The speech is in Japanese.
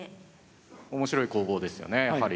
面白い攻防ですよねやはり。